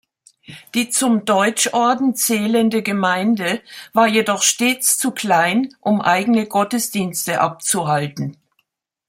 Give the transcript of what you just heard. Die zum Deutschorden zählende Gemeinde war jedoch stets zu klein, um eigene Gottesdienste abzuhalten.